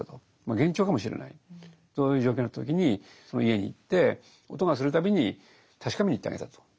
幻聴かもしれないそういう状況になった時にその家に行って音がする度に確かめにいってあげたと。